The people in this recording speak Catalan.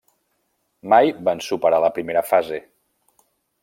Mai van superar la primera fase.